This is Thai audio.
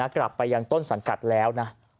กลับไปยังต้นสังกัดแล้วนะ